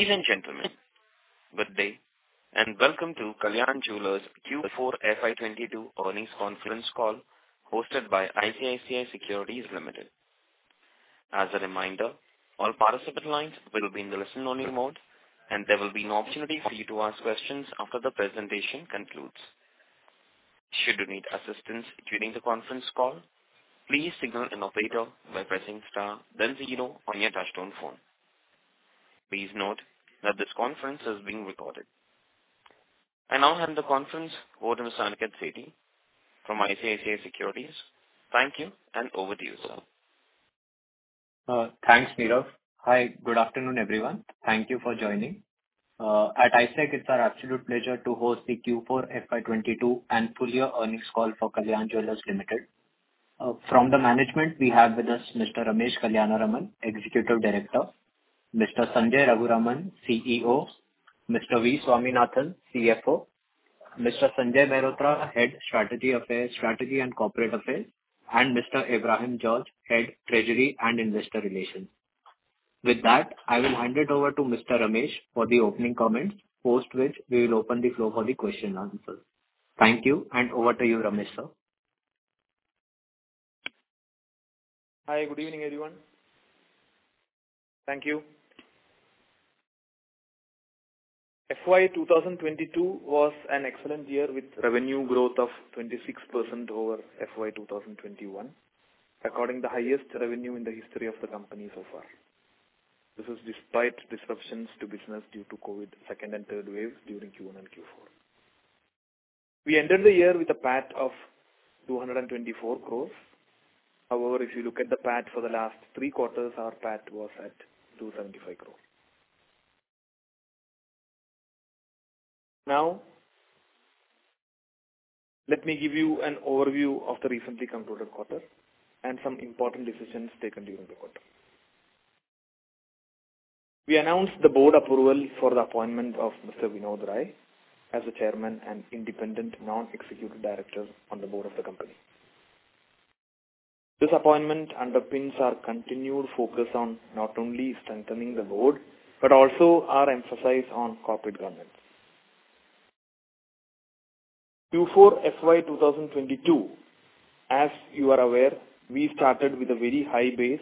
Ladies and gentlemen, good day, and welcome to Kalyan Jewellers Q4 FY22 earnings conference call hosted by ICICI Securities Limited. As a reminder, all participant lines will be in the listen-only mode, and there will be an opportunity for you to ask questions after the presentation concludes. Should you need assistance during the conference call, please signal an operator by pressing star then zero on your touchtone phone. Please note that this conference is being recorded. I now hand the conference over to Aniket Sethi from ICICI Securities. Thank you and over to you, sir. Thanks, Nirav. Hi, good afternoon, everyone. Thank you for joining. At ICICI, it's our absolute pleasure to host the Q4 FY 2022 and full year earnings call for Kalyan Jewellers India Limited. From the management we have with us Mr. Ramesh Kalyanaraman, Executive Director, Mr. Sanjay Raghuraman, CEO, Mr. V. Swaminathan, CFO, Mr. Sanjay Mehrotra, Head Strategy and Corporate Affairs, and Mr. Abraham George, Head Treasury and Investor Relations. With that, I will hand it over to Mr. Ramesh for the opening comments, after which we will open the floor for the question and answer. Thank you, and over to you, Ramesh, sir. Hi, good evening, everyone. Thank you. FY 2022 was an excellent year with revenue growth of 26% over FY 2021, recording the highest revenue in the history of the company so far. This is despite disruptions to business due to COVID second and third waves during Q1 and Q4. We ended the year with a PAT of 224 crore. However, if you look at the PAT for the last three quarters, our PAT was at 275 crore. Now, let me give you an overview of the recently concluded quarter and some important decisions taken during the quarter. We announced the board approval for the appointment of Mr. Vinod Rai as the Chairman and Independent Non-Executive Director on the board of the company. This appointment underpins our continued focus on not only strengthening the board but also our emphasis on corporate governance. Q4 FY 2022, as you are aware, we started with a very high base.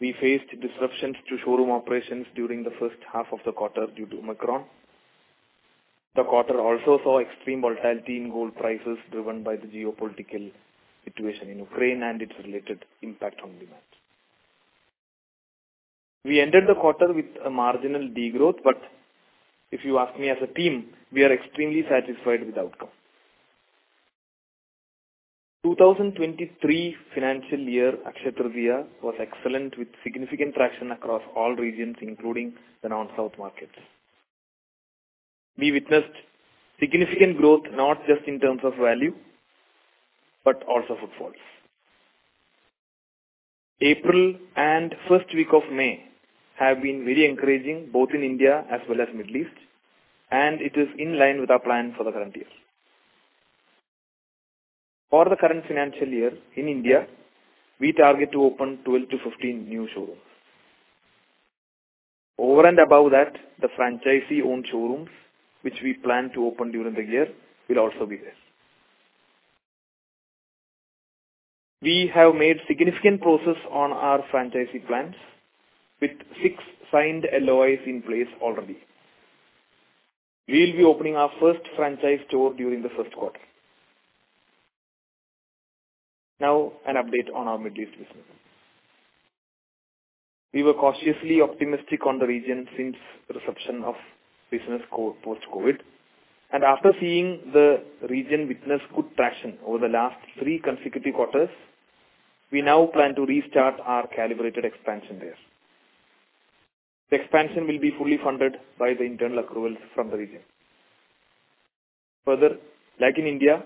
We faced disruptions to showroom operations during the first half of the quarter due to Omicron. The quarter also saw extreme volatility in gold prices driven by the geopolitical situation in Ukraine and its related impact on demand. We ended the quarter with a marginal degrowth, but if you ask me as a team, we are extremely satisfied with the outcome. 2023 financial year Akshaya Tritiya was excellent with significant traction across all regions, including the non-South markets. We witnessed significant growth, not just in terms of value, but also footfalls. April and first week of May have been very encouraging both in India as well as Middle East, and it is in line with our plan for the current year. For the current financial year in India, we target to open 12-15 new showrooms. Over and above that, the franchisee-owned showrooms which we plan to open during the year will also be there. We have made significant progress on our franchisee plans with six signed LOIs in place already. We'll be opening our first franchise store during the first quarter. Now, an update on our Middle East business. We were cautiously optimistic on the region since resumption of business post-COVID, and after seeing the region witness good traction over the last three consecutive quarters, we now plan to restart our calibrated expansion there. The expansion will be fully funded by the internal accruals from the region. Further, like in India,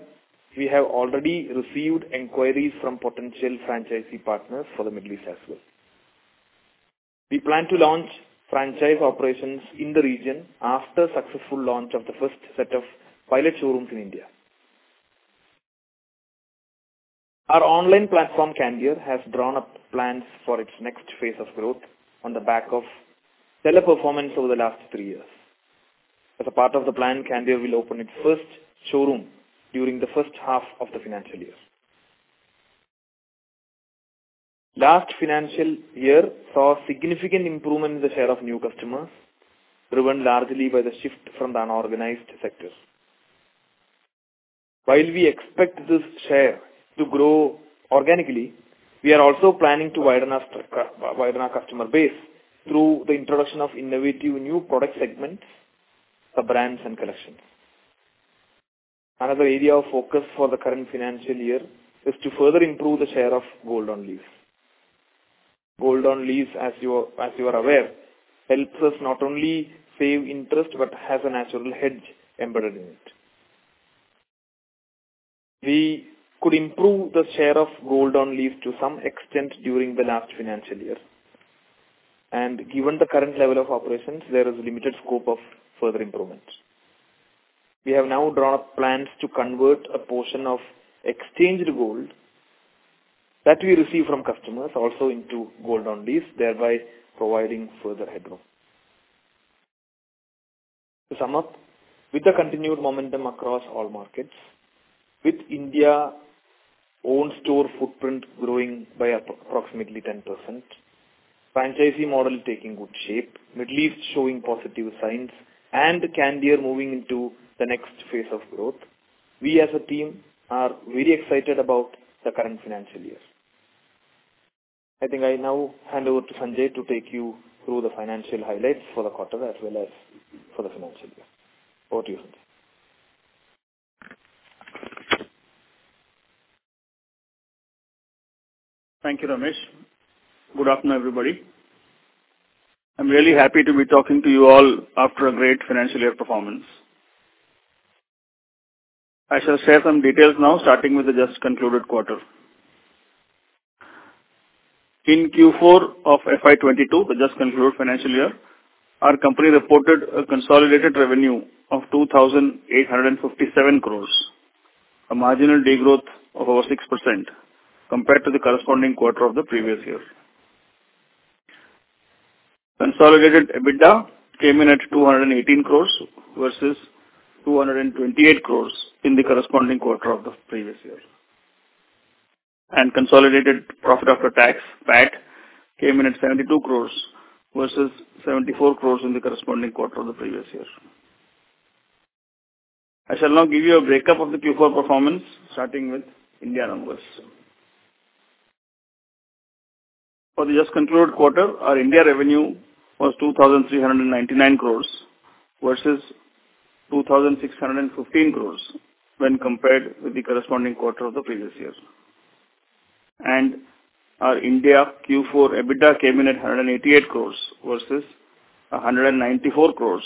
we have already received inquiries from potential franchisee partners for the Middle East as well. We plan to launch franchise operations in the region after successful launch of the first set of pilot showrooms in India. Our online platform, Candere, has drawn up plans for its next phase of growth on the back of stellar performance over the last three years. As a part of the plan, Candere will open its first showroom during the first half of the financial year. Last financial year saw a significant improvement in the share of new customers, driven largely by the shift from the unorganized sector. While we expect this share to grow organically, we are also planning to widen our customer base through the introduction of innovative new product segments, brands and collections. Another area of focus for the current financial year is to further improve the share of gold on lease. Gold on lease, as you are aware, helps us not only save interest, but has a natural hedge embedded in it. We could improve the share of gold on lease to some extent during the last financial year. Given the current level of operations, there is limited scope for further improvements. We have now drawn up plans to convert a portion of exchanged gold that we receive from customers also into gold on lease, thereby providing further headroom. To sum up, with the continued momentum across all markets, with India-owned store footprint growing by approximately 10%, franchisee model taking good shape, Middle East showing positive signs, and Candere moving into the next phase of growth, we as a team are very excited about the current financial year. I think I now hand over to Sanjay to take you through the financial highlights for the quarter as well as for the financial year. Over to you, Sanjay. Thank you, Ramesh. Good afternoon, everybody. I'm really happy to be talking to you all after a great financial year performance. I shall share some details now, starting with the just concluded quarter. In Q4 of FY 2022, the just concluded financial year, our company reported a consolidated revenue of 2,857 crores, a marginal degrowth of over 6% compared to the corresponding quarter of the previous year. Consolidated EBITDA came in at 218 crores versus 228 crores in the corresponding quarter of the previous year. Consolidated profit after tax, PAT, came in at 72 crores versus 74 crores in the corresponding quarter of the previous year. I shall now give you a breakup of the Q4 performance, starting with India numbers. For the just concluded quarter, our India revenue was 2,399 crores versus 2,615 crores when compared with the corresponding quarter of the previous year. Our India Q4 EBITDA came in at 188 crores versus 194 crores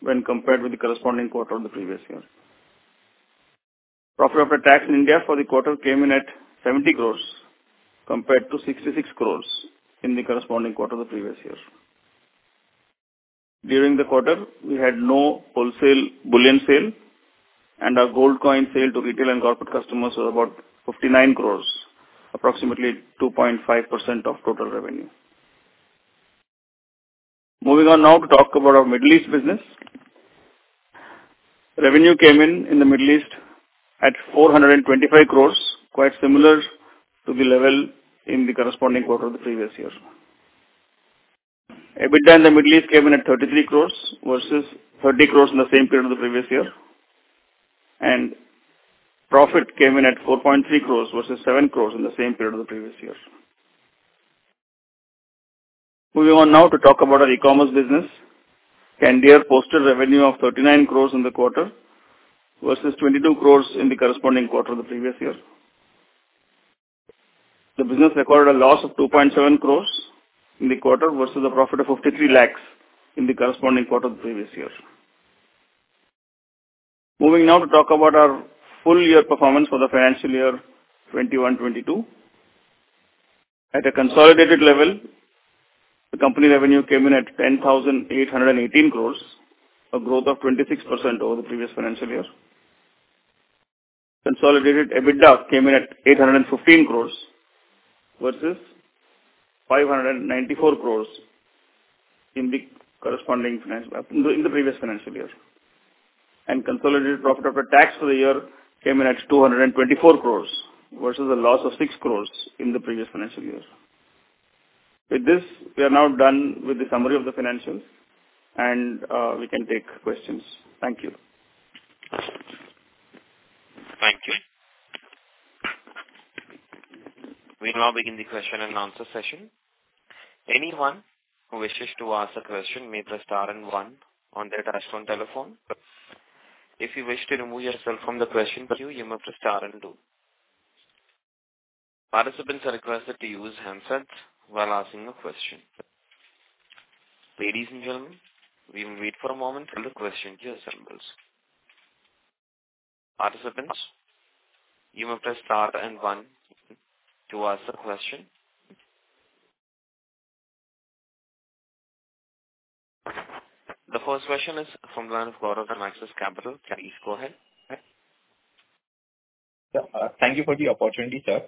when compared with the corresponding quarter of the previous year. Profit after tax in India for the quarter came in at 70 crores compared to 66 crores in the corresponding quarter of the previous year. During the quarter, we had no wholesale bullion sale, and our gold coin sale to retail and corporate customers was about 59 crores, approximately 2.5% of total revenue. Moving on now to talk about our Middle East business. Revenue came in the Middle East at 425 crore, quite similar to the level in the corresponding quarter of the previous year. EBITDA in the Middle East came in at 33 crore versus 30 crore in the same period of the previous year. Profit came in at 4.3 crore versus 7 crore in the same period of the previous year. Moving on now to talk about our e-commerce business. Candere posted revenue of 39 crore in the quarter versus 22 crore in the corresponding quarter of the previous year. The business recorded a loss of 2.7 crore in the quarter versus a profit of 53 lakh in the corresponding quarter of the previous year. Moving now to talk about our full year performance for the financial year 2021-22. At a consolidated level, the company revenue came in at 10,818 crore, a growth of 26% over the previous financial year. Consolidated EBITDA came in at 815 crore versus 594 crore in the corresponding financial year. Consolidated profit after tax for the year came in at 224 crore versus a loss of 6 crore in the previous financial year. With this, we are now done with the summary of the financials and we can take questions. Thank you. Thank you. We now begin the question and answer session. Anyone who wishes to ask a question may press star and one on their touchtone telephone. If you wish to remove yourself from the question queue, you may press star and two. Participants are requested to use handsets while asking a question. Ladies and gentlemen, we will wait for a moment as the question queue assembles. Participants, you may press star and one to ask a question. The first question is from the line of Gaurav from Axis Capital. Please go ahead. Yeah, thank you for the opportunity, sir.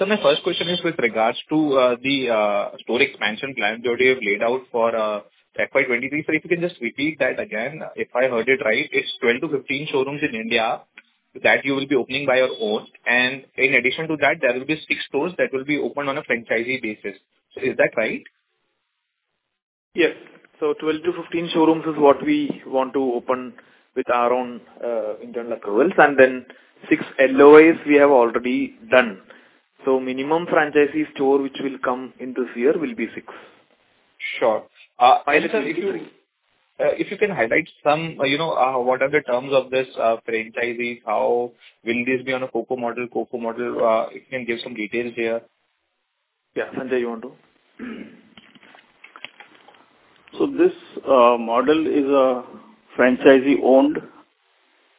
My first question is with regards to the store expansion plans that you have laid out for FY 2023. If you can just repeat that again. If I heard it right, it's 12-15 showrooms in India that you will be opening by your own. In addition to that, there will be six stores that will be opened on a franchisee basis. Is that right? Yes. 12-15 showrooms is what we want to open with our own internal approvals. Six LOIs we have already done. Minimum franchisee store which will come into this year will be six. Sure. If you can highlight some, you know, what are the terms of this franchisee? How will this be on a FOCO model, COFO model? If you can give some details here. Yeah. Sanjay, you want to? This model is a franchisee-owned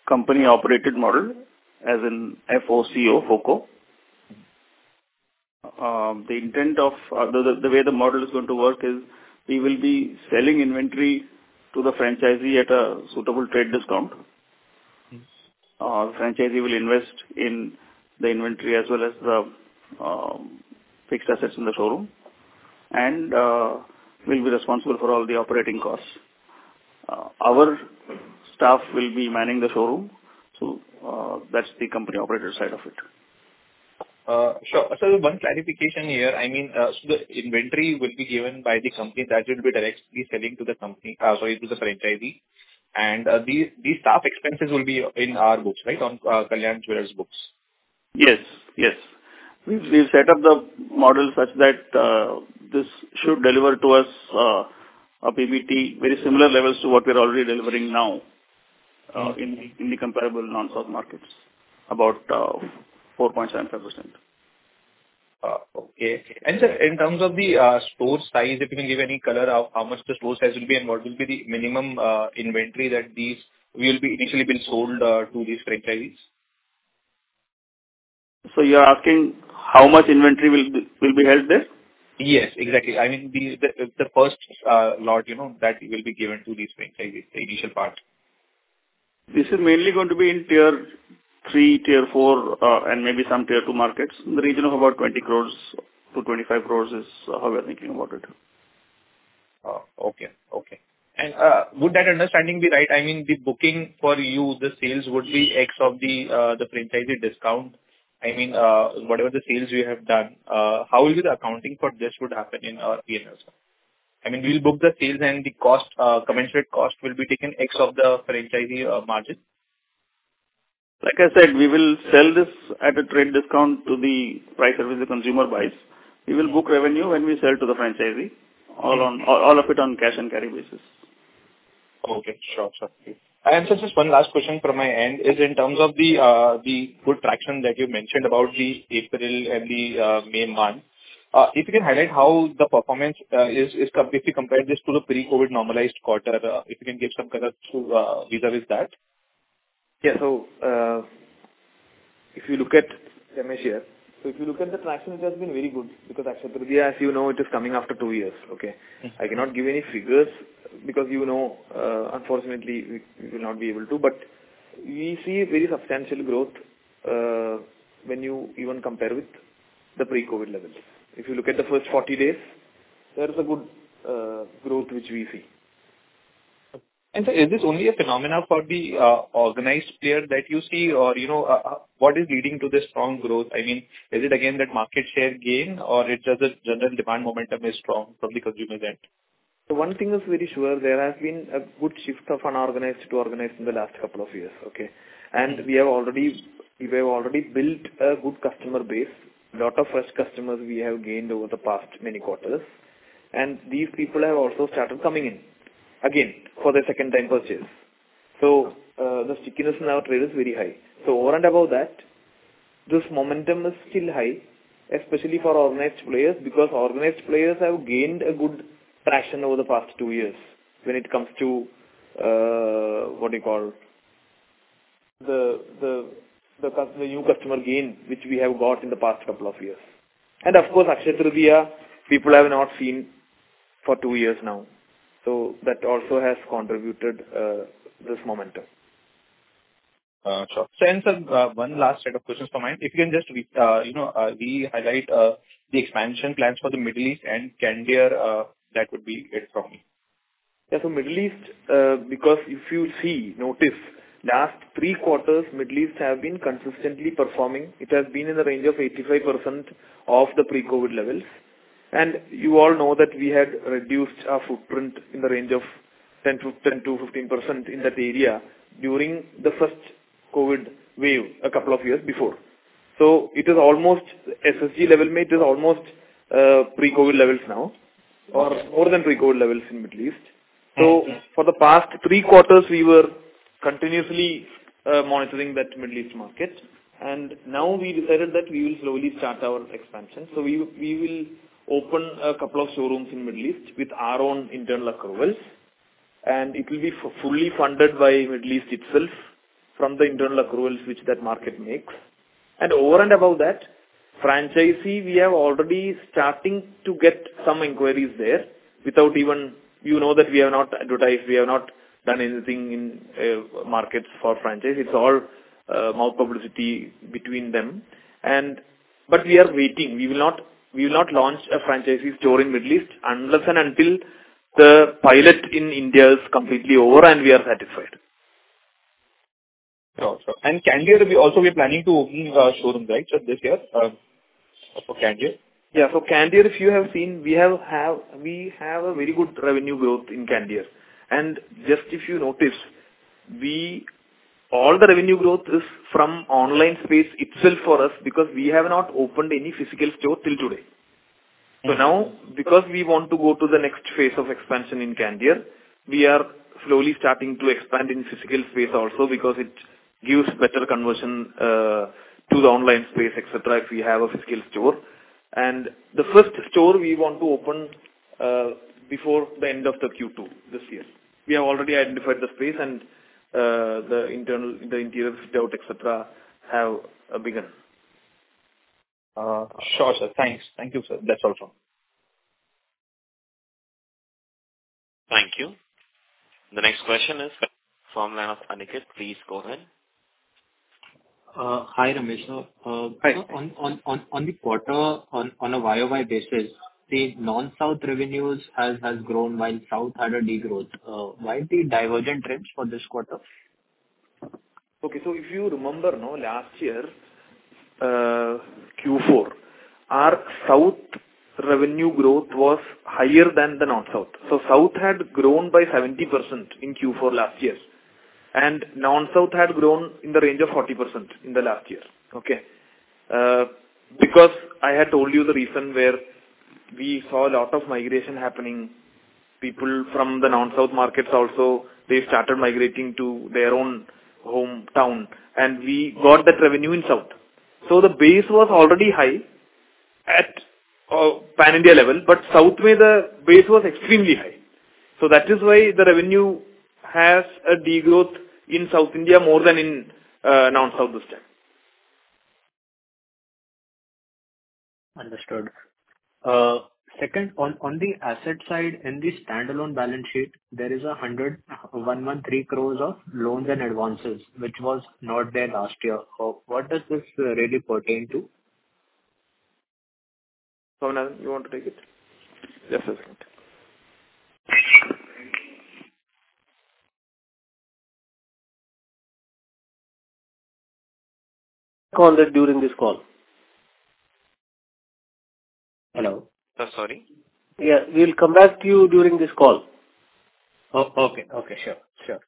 company-operated model, as in F-O-C-O, FoCo. The intent of the way the model is going to work is we will be selling inventory to the franchisee at a suitable trade discount. Mm-hmm. The franchisee will invest in the inventory as well as the fixed assets in the showroom and will be responsible for all the operating costs. Our staff will be manning the showroom, so that's the company operator side of it. Sure. Sir, one clarification here. I mean, so the inventory will be given by the company that will be directly selling to the franchisee. The staff expenses will be in our books, right? On Kalyan Jewellers' books. Yes. We've set up the model such that this should deliver to us a PBT very similar levels to what we're already delivering now in the comparable non-soft markets, about 4.75%. Okay. Sir, in terms of the store size, if you can give any color on how much the store size will be and what will be the minimum inventory that these will be initially sold to these franchisees? You're asking how much inventory will be held there? Yes, exactly. I mean, the first lot, you know, that will be given to these franchisees, the initial part. This is mainly going to be in tier three, tier four, and maybe some tier two markets. In the region of about 20 crore-25 crore is how we are thinking about it. Would that understanding be right? I mean, the booking for you, the sales would be ex of the franchisee discount. I mean, whatever the sales you have done, how will the accounting for this would happen in P&L? I mean, we'll book the sales and the cost, commensurate cost will be taken ex of the franchisee margin. Like I said, we will sell this at a trade discount to the price at which the consumer buys. We will book revenue when we sell to the franchisee, all of it on cash and carry basis. Okay. Sure. Just one last question from my end is in terms of the good traction that you mentioned about the April and the May month. If you can highlight how the performance is if you compare this to the pre-COVID normalized quarter, if you can give some color to vis-à-vis that. If you look at the traction, it has been very good because Akshaya Tritiya, as you know, it is coming after two years, okay? Mm-hmm. I cannot give any figures because you know, unfortunately, we will not be able to. We see a very substantial growth, when you even compare with the pre-COVID levels. If you look at the first 40 days, there is a good growth which we see. Sir, is this only a phenomenon for the organized player that you see? Or, you know, what is leading to this strong growth? I mean, is it again that market share gain or it's just the general demand momentum is strong from the consumer end? One thing is very sure, there has been a good shift of unorganized to organized in the last couple of years, okay? We have already built a good customer base. A lot of fresh customers we have gained over the past many quarters. These people have also started coming in again for their second time purchase. The stickiness in our trade is very high. Over and above that, this momentum is still high, especially for organized players, because organized players have gained a good traction over the past two years when it comes to the new customer gain, which we have got in the past couple of years. Of course, Akshaya Tritiya, people have not seen for two years now. That also has contributed to this momentum. Sure. Sir, one last set of questions from my end. If you can just, you know, briefly highlight the expansion plans for the Middle East and Candere, that would be great from me. Yeah. Middle East, because if you see, notice, last three quarters, Middle East have been consistently performing. It has been in the range of 85% of the pre-COVID levels. You all know that we had reduced our footprint in the range of 10%-15% in that area during the first COVID wave a couple of years before. It is almost SSG level pre-COVID levels now or more than pre-COVID levels in Middle East. Mm-hmm. For the past three quarters, we were continuously monitoring that Middle East market. Now we decided that we will slowly start our expansion. We will open a couple of showrooms in Middle East with our own internal accruals, and it will be fully funded by Middle East itself from the internal accruals which that market makes. Over and above that, franchisee, we are already starting to get some inquiries there without even you know that we have not advertised, we have not done anything in markets for franchise. It's all word of mouth publicity between them. But we are waiting. We will not launch a franchisee store in Middle East unless and until the pilot in India is completely over and we are satisfied. Sure. Candere also we're planning to open showrooms, right, sir, this year, for Candere? Yeah. For Candere, if you have seen, we have a very good revenue growth in Candere. Just if you notice, all the revenue growth is from online space itself for us because we have not opened any physical store till today. Mm-hmm. Now, because we want to go to the next phase of expansion in Candere, we are slowly starting to expand in physical space also because it gives better conversion to the online space, et cetera, if we have a physical store. The first store we want to open before the end of the Q2 this year. We have already identified the space, and the interior fit-out, et cetera, have begun. Sure, sir. Thanks. Thank you, sir. Thank you. The next question is from Aniket. Please go ahead. Hi, Ramesh. On the quarter, on a YOY basis, the non-South revenues has grown while South had a degrowth. Why the divergent trends for this quarter? Okay. If you remember, you know, last year, Q4, our South revenue growth was higher than the non-South. South had grown by 70% in Q4 last year, and non-South had grown in the range of 40% in the last year. Okay? Because I had told you the reason where we saw a lot of migration happening, people from the non-South markets also, they started migrating to their own hometown, and we got that revenue in South. The base was already high at, pan-India level, but South where the base was extremely high. That is why the revenue has a degrowth in South India more than in, non-South this time. Understood. Second, on the asset side, in the standalone balance sheet, there is 1,013 crores of loans and advances, which was not there last year. What does this really pertain to? Swaminathan, you want to take it? Yes. Call it during this call. Hello? Sorry? Yeah. We'll come back to you during this call. Okay. Sure.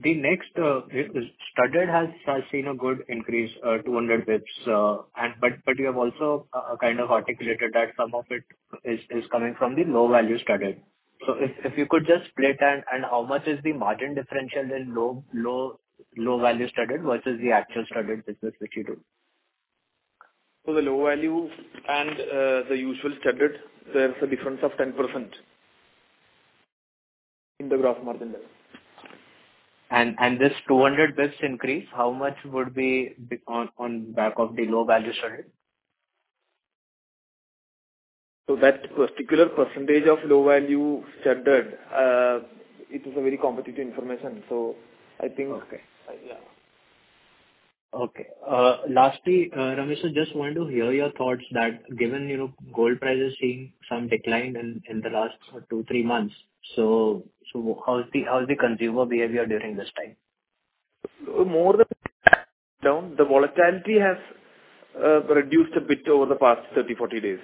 The next is studded has seen a good increase, 200 basis points, but you have also kind of articulated that some of it is coming from the low-value studded. If you could just split and how much is the margin differential in low-value studded versus the actual studded business which you do? The low value and the usual studded, there's a difference of 10% in the gross margin there. This 200 basis points increase, how much would be on back of the low-value studded? That particular percentage of low-value studded, it is a very competitive information. I think Okay. Yeah. Okay. Lastly, Ramesh, I just wanted to hear your thoughts that given, you know, gold price is seeing some decline in the last two, three months, so how's the consumer behavior during this time? More than down, the volatility has reduced a bit over the past 30, 40 days.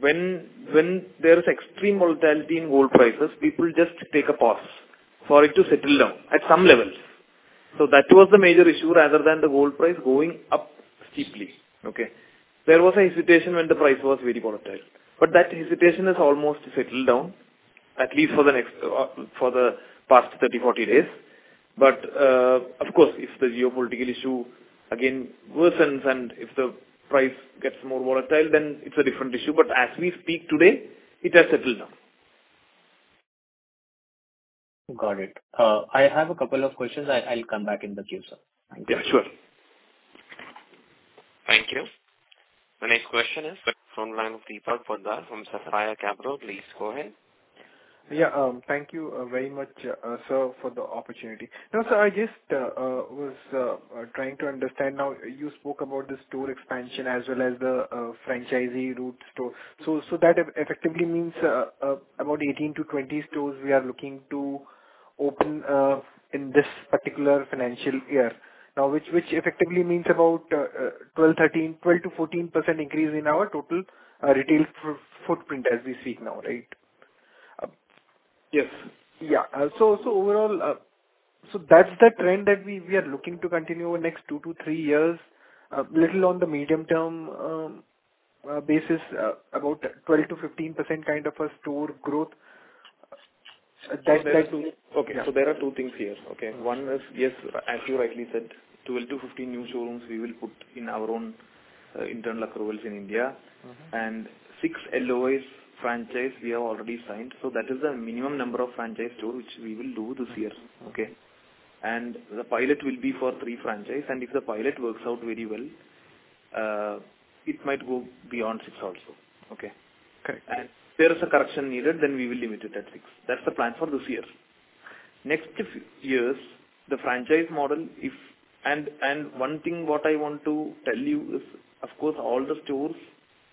When there is extreme volatility in gold prices, people just take a pause for it to settle down at some levels. That was the major issue rather than the gold price going up steeply. Okay? There was a hesitation when the price was very volatile. That hesitation has almost settled down, at least for the past 30, 40 days. Of course, if the geopolitical issue again worsens and if the price gets more volatile, then it's a different issue. As we speak today, it has settled down. Got it. I have a couple of questions. I'll come back in the queue, sir. Yeah, sure. Thank you. The next question is from Deepak Poddar from Sapphire Capital. Please go ahead. Yeah. Thank you very much, sir, for the opportunity. Now, sir, I just was trying to understand now you spoke about the store expansion as well as the franchisee route store. That effectively means about 18-20 stores we are looking to open in this particular financial year. Now, which effectively means about 12-13, 12-14% increase in our total retail footprint as we see now, right? Yes. Overall, that's the trend that we are looking to continue over the next two to three years, little on the medium-term basis, about 12%-15% kind of a store growth. Okay. There are two things here. Okay? One is, yes, as you rightly said, 12-15 new showrooms we will put in our own internal accruals in India. Mm-hmm. Six LOIs franchise we have already signed. That is the minimum number of franchise store which we will do this year. Okay? The pilot will be for three franchise, and if the pilot works out very well, it might go beyond six also. Okay? Correct. If there is a correction needed, then we will limit it at six. That's the plan for this year. Next few years, the franchise model, one thing what I want to tell you is, of course, all the stores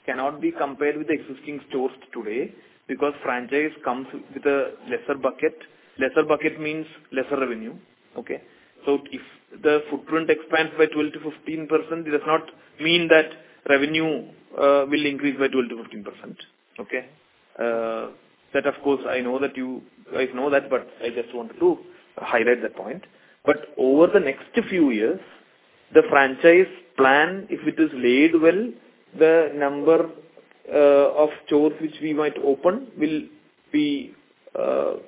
cannot be compared with the existing stores today because franchise comes with a lesser bucket. Lesser bucket means lesser revenue. Okay. If the footprint expands by 12%-15%, it does not mean that revenue will increase by 12%-15%. Okay. That of course I know that you guys know that, but I just wanted to highlight that point. Over the next few years, the franchise plan, if it is laid well, the number of stores which we might open will be, it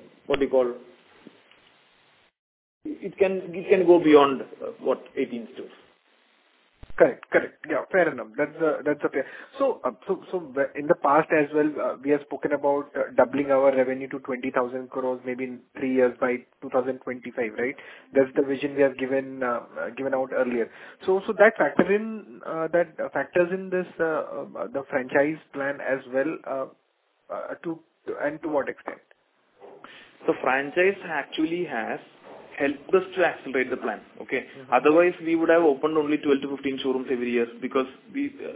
can go beyond what 18 stores. Correct. Yeah, fair enough. That's okay. In the past as well, we have spoken about doubling our revenue to 20,000 crore maybe in three years by 2025, right? That's the vision we have given out earlier. That factors in this, the franchise plan as well. To what extent? The franchise actually has helped us to accelerate the plan. Okay? Mm-hmm. Otherwise, we would have opened only 12-15 showrooms every year because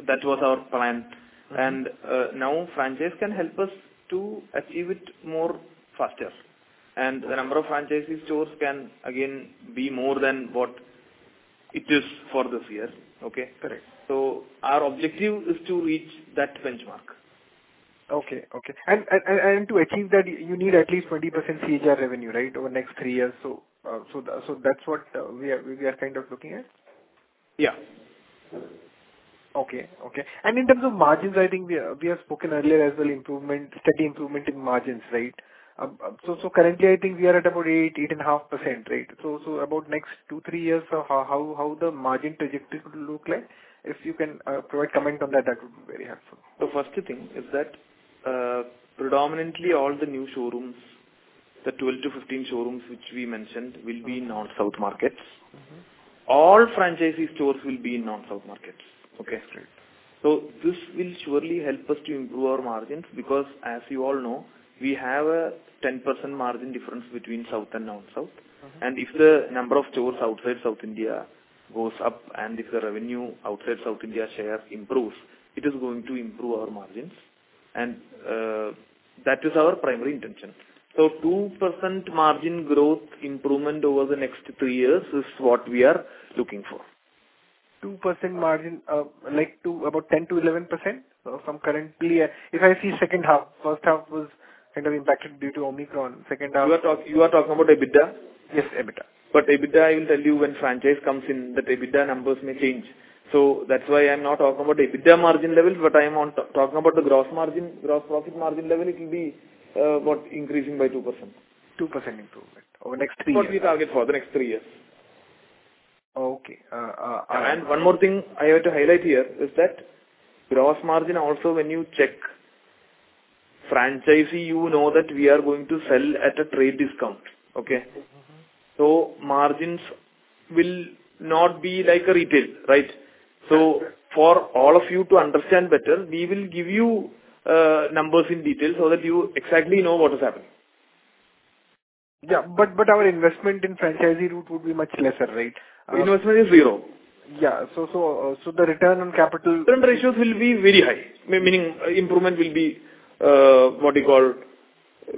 that was our plan. Right. Now franchise can help us to achieve it more faster. The number of franchisee stores can again be more than what it is for this year. Okay? Correct. Our objective is to reach that benchmark. Okay. To achieve that, you need at least 20% CAGR revenue, right, over the next three years. That's what we are kind of looking at? Yeah. Okay. In terms of margins, I think we have spoken earlier as well, steady improvement in margins, right? Currently, I think we are at about 8.5%, right? About next two, three years, how the margin trajectory will look like? If you can provide comment on that would be very helpful. The first thing is that, predominantly all the new showrooms, the 12-15 showrooms which we mentioned will be in non-south markets. Mm-hmm. All franchisee stores will be in non-south markets. Okay? Right. This will surely help us to improve our margins, because as you all know, we have a 10% margin difference between south and non-south. Mm-hmm. If the number of stores outside South India goes up, and if the revenue outside South India share improves, it is going to improve our margins. That is our primary intention. 2% margin growth improvement over the next three years is what we are looking for. 2% margin, like to about 10%-11% from currently. If I see second half, first half was kind of impacted due to Omicron. Second half You are talking about EBITDA? Yes, EBITDA. EBITDA, I will tell you, when franchise comes in that EBITDA numbers may change. That's why I'm not talking about EBITDA margin levels, but I am on, talking about the gross margin. Gross profit margin level, it will be, what? Increasing by 2%. 2% improvement over next three years. It's what we target for the next three years. Okay. One more thing I have to highlight here is that gross margin also when you check franchisee, you know that we are going to sell at a trade discount. Okay? Mm-hmm. Margins will not be like a retail, right? For all of you to understand better, we will give you numbers in detail so that you exactly know what is happening. Yeah, but our investment in franchisee route will be much lesser, right? Investment is zero. The return on capital. Return ratios will be very high. Meaning improvement will be, what do you call,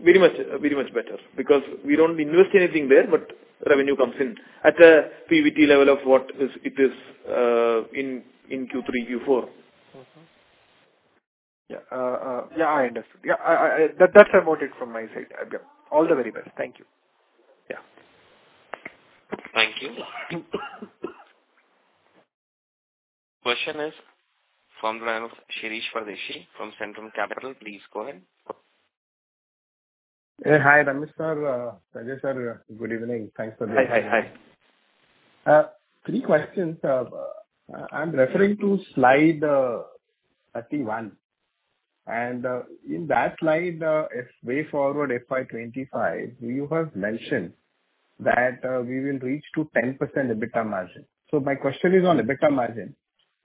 very much better because we don't invest anything there but revenue comes in at a PBT level of what it is, in Q3, Q4. Yeah. Yeah, I understand. Yeah. That's about it from my side. Yeah. All the very best. Thank you. Yeah. Thank you. Question is from the line of Shirish Pardeshi from Centrum Capital. Please go ahead. Yeah. Hi, Ramesh sir. Sanjay sir. Good evening. Thanks for the. Hi. Hi. Hi. Three questions. I'm referring to slide 31. In that slide, way forward FY 25, you have mentioned that we will reach to 10% EBITDA margin. My question is on EBITDA margin.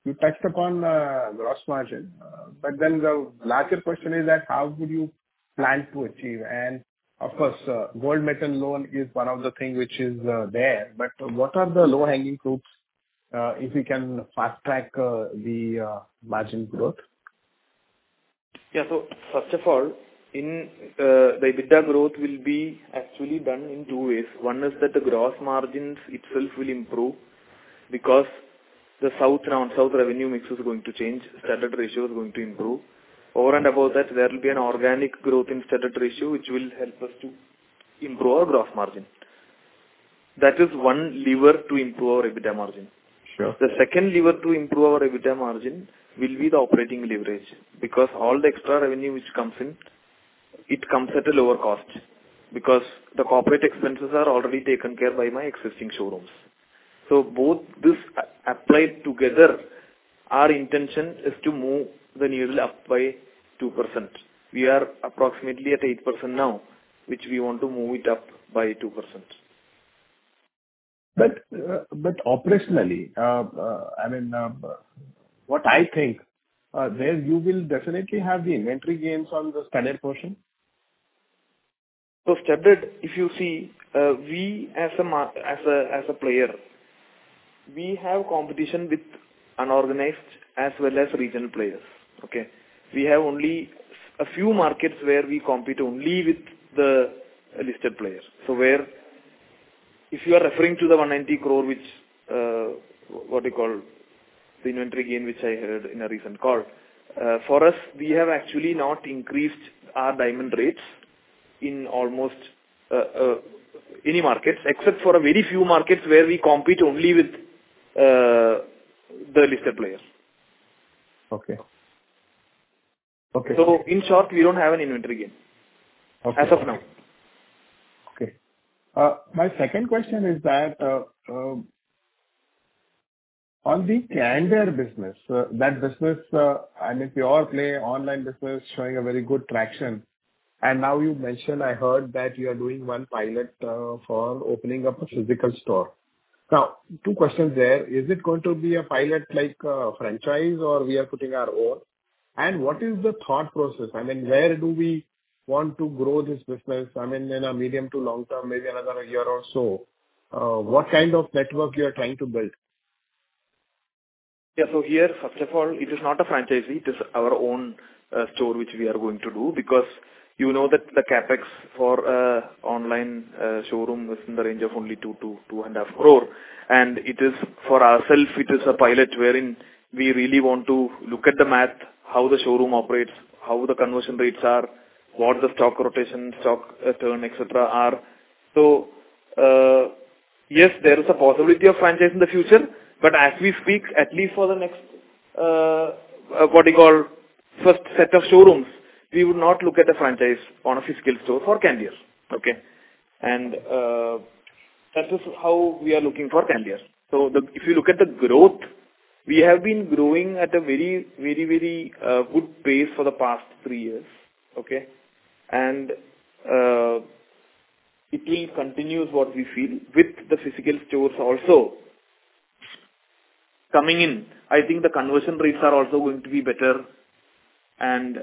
You touched upon gross margin. The larger question is that how would you plan to achieve? Of course, gold metal loan is one of the thing which is there. What are the low-hanging fruits if you can fast track the margin growth? Yeah. First of all, the EBITDA growth will be actually done in two ways. One is that the gross margins itself will improve because the South, non-South revenue mix is going to change. Studded ratio is going to improve. Over and above that, there will be an organic growth in studded ratio, which will help us to improve our gross margin. That is one lever to improve our EBITDA margin. Sure. The second lever to improve our EBITDA margin will be the operating leverage, because all the extra revenue which comes in, it comes at a lower cost because the corporate expenses are already taken care by my existing showrooms. Both this applied together, our intention is to move the needle up by 2%. We are approximately at 8% now, which we want to move it up by 2%. Operationally, I mean, what I think, there you will definitely have the inventory gains on the standard portion. Standard, if you see, we as a player, we have competition with unorganized as well as regional players. Okay? We have only a few markets where we compete only with the listed players. Where... If you are referring to the 190 crore, which, what do you call, the inventory gain, which I heard in a recent call. For us, we have actually not increased our diamond rates in almost any markets except for a very few markets where we compete only with the listed players. Okay. Okay. In short, we don't have an inventory gain. Okay. As of now. Okay. My second question is that, on the Candere business, that business, I mean, pure play online business showing a very good traction. Now you've mentioned, I heard that you are doing one pilot, for opening up a physical store. Now, two questions there. Is it going to be a pilot like a franchise or we are putting our own? What is the thought process? I mean, where do we want to grow this business? I mean, in a medium to long term, maybe another year or so. What kind of network you are trying to build? Yeah. Here, first of all, it is not a franchise. It is our own store, which we are going to do, because you know that the CapEx for online showroom is in the range of only 2 crore-2.5 crore. And it is, for ourselves, it is a pilot wherein we really want to look at the math, how the showroom operates, how the conversion rates are, what the stock rotation, stock turn, et cetera, are. Yes, there is a possibility of franchise in the future. But as we speak, at least for the next, what you call, first set of showrooms, we would not look at a franchise on a physical store for Candere. Okay? And that is how we are looking for Candere. If you look at the growth, we have been growing at a very good pace for the past three years. Okay? It will continue what we feel with the physical stores also. Coming in, I think the conversion rates are also going to be better and,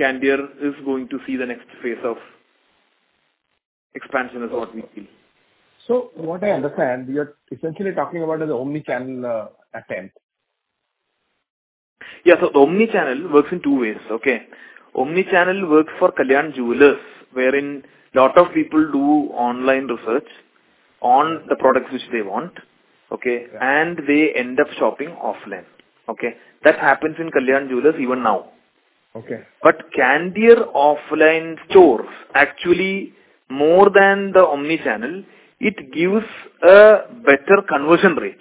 Candere is going to see the next phase of expansion is what we feel. What I understand, you're essentially talking about is omni-channel attempt. Yeah. Omni-channel works in two ways. Okay? Omni-channel works for Kalyan Jewellers, wherein lot of people do online research on the products which they want, okay, and they end up shopping offline. Okay? That happens in Kalyan Jewellers even now. Okay. Candere offline stores, actually more than the omni-channel, it gives a better conversion rate.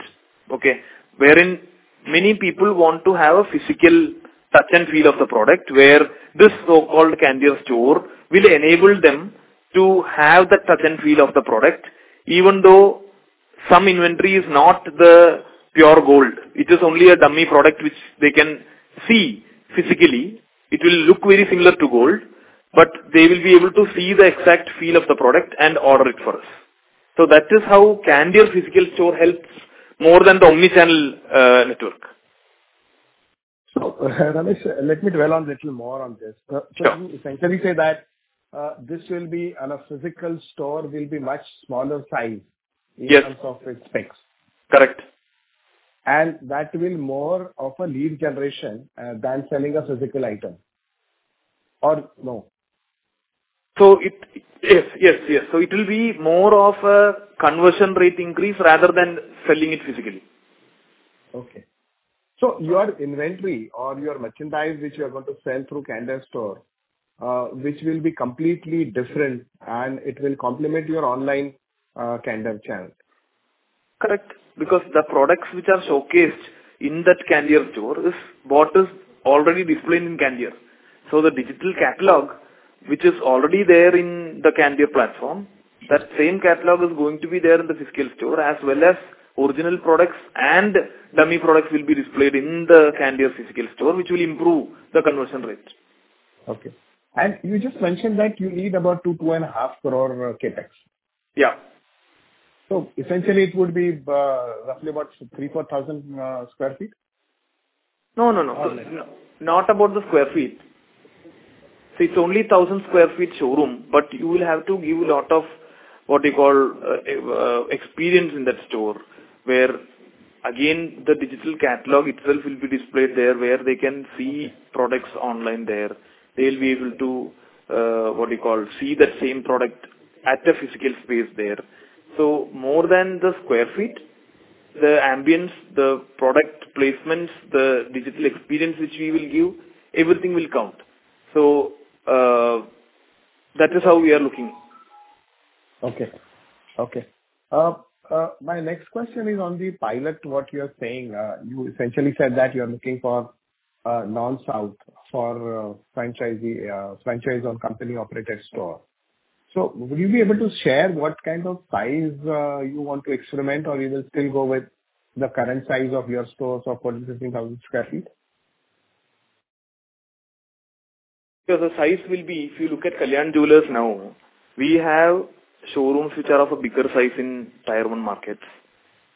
Okay? Wherein many people want to have a physical touch and feel of the product, where this so-called Candere store will enable them to have the touch and feel of the product, even though some inventory is not the pure gold. It is only a dummy product which they can see physically. It will look very similar to gold, but they will be able to see the exact feel of the product and order it for us. So that is how Candere physical store helps more than the omni-channel network. Ramesh, let me dwell a little more on this. Yeah. Can we essentially say that this will be and a physical store will be much smaller size? Yes. in terms of its specs? Correct. That will more of a lead generation than selling a physical item or no? Yes. It will be more of a conversion rate increase rather than selling it physically. Okay. Your inventory or your merchandise, which you are going to sell through Candere store, which will be completely different, and it will complement your online Candere channel. Correct. Because the products which are showcased in that Candere store is what is already displayed in Candere. The digital catalog, which is already there in the Candere platform, that same catalog is going to be there in the physical store, as well as original products and dummy products will be displayed in the Candere physical store, which will improve the conversion rate. Okay. You just mentioned that you need about 2.5 crore CapEx. Yeah. Essentially it would be roughly about 3,000-4,000 sq ft? No, no. Less. Not about the square feet. It's only 1,000 sq ft showroom, but you will have to give a lot of, what you call, experience in that store. Where again, the digital catalog itself will be displayed there, where they can see products online there. They'll be able to, what do you call, see that same product at a physical space there. More than the square feet, the ambience, the product placements, the digital experience which we will give, everything will count. That is how we are looking. Okay. My next question is on the pilot, what you are saying. You essentially said that you are looking for non-South for franchisee, franchise or company-operated store. Will you be able to share what kind of size you want to experiment, or you will still go with the current size of your stores of 46,000 sq ft? Yeah. The size will be, if you look at Kalyan Jewellers now, we have showrooms which are of a bigger size in Tier I markets.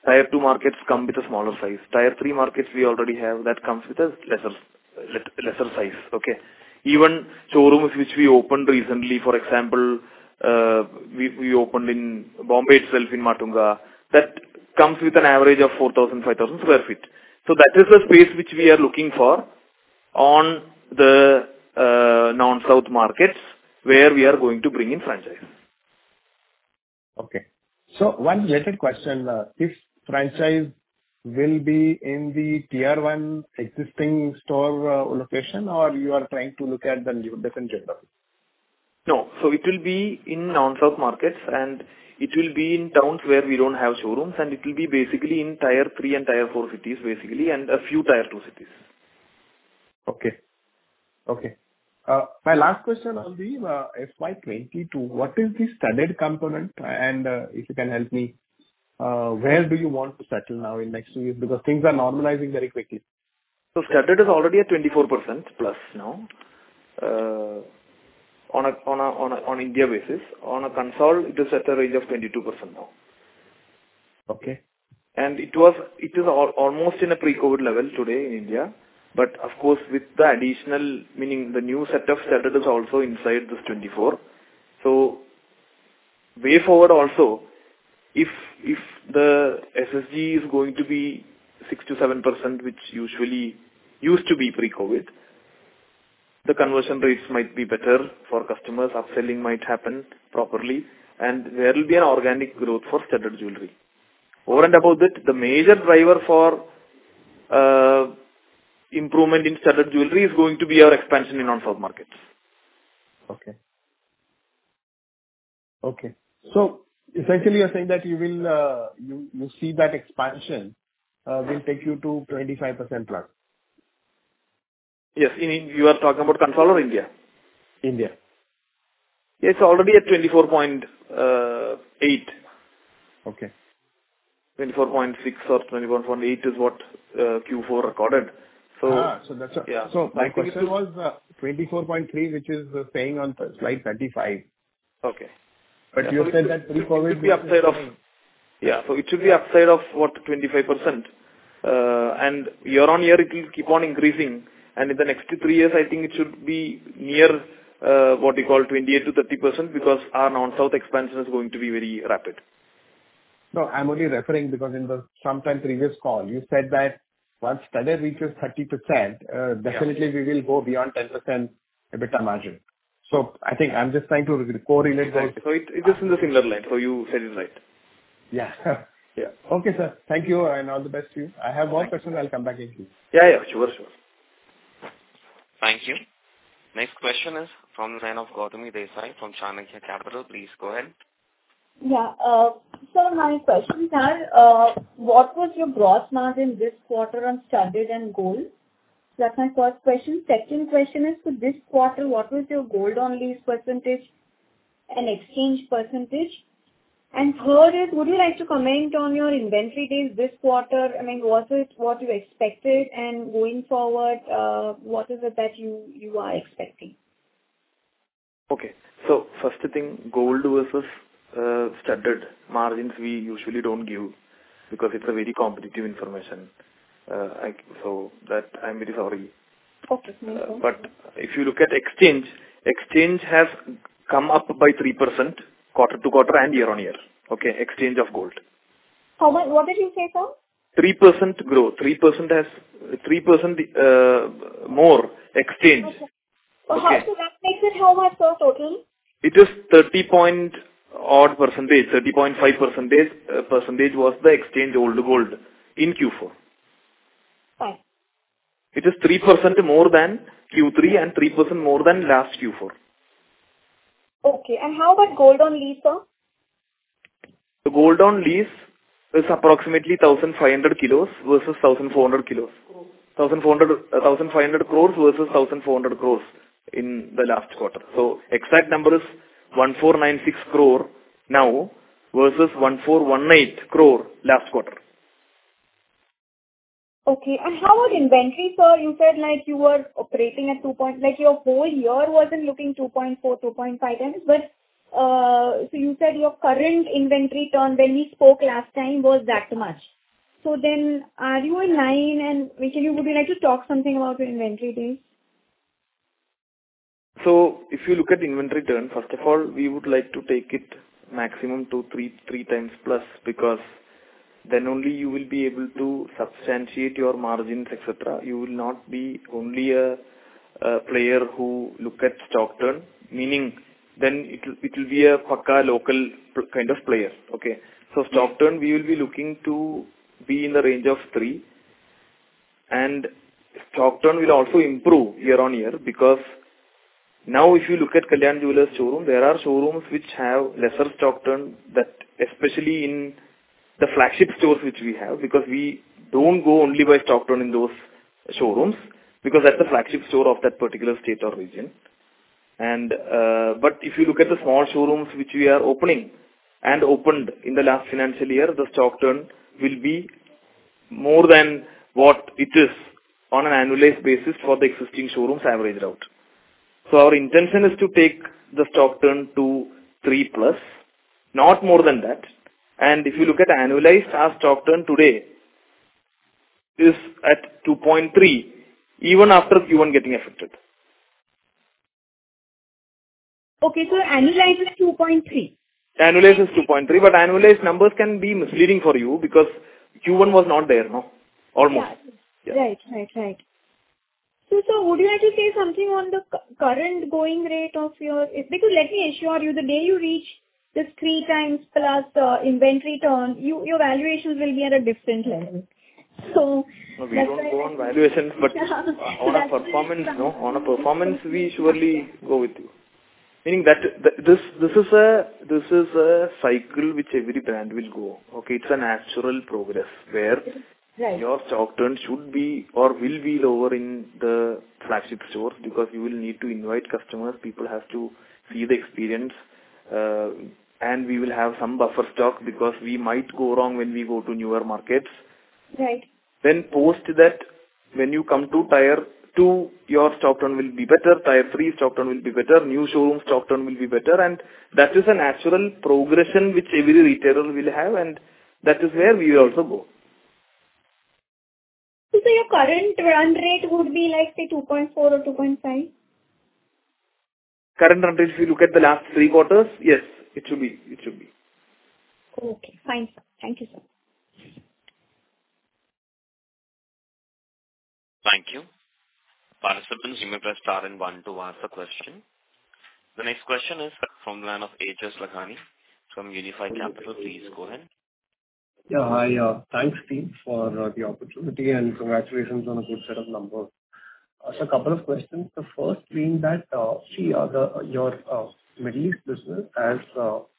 Tier II markets come with a smaller size. Tier III markets we already have, that comes with a lesser size. Okay? Even showrooms which we opened recently, for example, we opened in Bombay itself, in Matunga, that comes with an average of 4,000-5,000 sq ft. So that is the space which we are looking for on the non-South markets where we are going to bring in franchise. Okay. One related question. If franchise will be in the Tier I existing store, location or you are trying to look at the new, different geography? No. It will be in non-South markets, and it will be in towns where we don't have showrooms, and it will be basically in Tier 3 and Tier 4 cities, basically, and a few Tier 2 cities. Okay. My last question on the FY 22, what is the studded component? If you can help me, where do you want to settle now in next two years? Because things are normalizing very quickly. Studded is already at 24%+ now, on an India basis. On a consol, it is at a range of 22% now. Okay. It is almost in a pre-COVID level today in India. Of course, with the additional, meaning the new set of studded is also inside this 24. Way forward also, if the SSG is going to be 6%-7%, which usually used to be pre-COVID, the conversion rates might be better for customers. Upselling might happen properly, and there will be an organic growth for studded jewelry. Over and above that, the major driver for improvement in studded jewelry is going to be our expansion in non-South markets. Essentially you're saying that you see that expansion will take you to 25% plus? Yes. You are talking about console or India? India. It's already at 24.8. Okay. 24.6% or 24.8% is what Q4 recorded. Ah, so that's a- Yeah. My question. My question was, 20, which is shown on slide 35. Okay. You said that pre-COVID. It should be upside of 25%. Year-over-year it will keep on increasing. In the next three years, I think it should be near what you call 28%-30% because our non-South expansion is going to be very rapid. No, I'm only referring because in some previous call you said that once studded reaches 30%, definitely we will go beyond 10% EBITDA margin. I think I'm just trying to correlate that. It is in the similar line. You said it right. Yeah. Yeah. Okay, sir. Thank you and all the best to you. I have one question. I'll come back again. Yeah, yeah. Sure. Sure. Thank you. Next question is from the line of Gautami Desai from Chanakya Capital. Please go ahead. Yeah. So my questions are, what was your gross margin this quarter on studded and gold? That's my first question. Second question is, for this quarter, what was your gold-only percentage and exchange percentage? Third is, would you like to comment on your inventory days this quarter? I mean, was it what you expected? Going forward, what is it that you are expecting? Okay. First thing, gold versus studded margins, we usually don't give because it's very competitive information. That, I'm very sorry. Okay. No problem. If you look at exchange has come up by 3% quarter-over-quarter and year-over-year. Okay? Exchange of gold. How much? What did you say, sir? 3% growth. 3% more exchange. Okay. Okay? That makes it how much, sir, total? It is 30-odd%, 30.5% was the exchange old gold in Q4. Oh. It is 3% more than Q3 and 3% more than last Q4. Okay. How about gold on lease, sir? The gold on lease is approximately 1,500 kilos versus 1,400 kilos. Crores. 1,400 crores-1,500 crores versus 1,400 crores in the last quarter. Exact number is 1,496 crore now versus 1,418 crore last quarter. Okay. How about inventory, sir? You said, like, you were operating at two, like your whole year wasn't looking 2.4, 2.5 times. But, so you said your current inventory turn when we spoke last time was that much. Are you in line and, I mean, would you like to talk something about your inventory days? If you look at inventory turn, first of all, we would like to take it maximum to three times plus because then only you will be able to substantiate your margins, et cetera. You will not be only a player who look at stock turn, meaning then it will be a local kind of player. Okay? Mm-hmm. Stock turn, we will be looking to be in the range of three. Stock turn will also improve year-on-year because now if you look at Kalyan Jewellers showroom, there are showrooms which have lesser stock turn than, especially in the flagship stores which we have, because we don't go only by stock turn in those showrooms because that's the flagship store of that particular state or region. If you look at the small showrooms which we are opening and opened in the last financial year, the stock turn will be more than what it is on an annualized basis for the existing showrooms averaged out. Our intention is to take the stock turn to 3+, not more than that. If you look at annualized, our stock turn today is at 2.3 even after Q1 getting affected. Annualized is 2.3. Annualized is 2.3%. Annualized numbers can be misleading for you because Q1 was not there, no? Almost. Yeah. Yeah. Right. Sir, would you like to say something on the current going rate of your. Because let me assure you, the day you reach this 3x+ inventory turn, your valuations will be at a different level. No, we don't go on valuations but on a performance, no. On a performance, we surely go with you. Meaning that this is a cycle which every brand will go. Okay, it's a natural progress. Right. Your stock turn should be or will be lower in the flagship stores because you will need to invite customers, people have to see the experience, and we will have some buffer stock because we might go wrong when we go to newer markets. Right. Post that, when you come to tier two, your stock turn will be better, tier three stock turn will be better, new showroom stock turn will be better. That is a natural progression which every retailer will have, and that is where we also go. Your current run rate would be like, say, 2.4 or 2.5? Current run rate, if you look at the last three quarters, yes, it should be. It should be. Okay. Fine, sir. Thank you, sir. Thank you. Participants, you may press star and one to ask a question. The next question is from the line of Aejas Lakhani from Unifi Capital. Please go ahead. Yeah. Hi. Thanks, team, for the opportunity, and congratulations on a good set of numbers. A couple of questions. The first being that your Middle East business as you know-